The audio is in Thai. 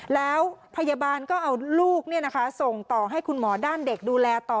แล้วพยาบาลก็เอาลูกส่งต่อให้คุณหมอด้านเด็กดูแลต่อ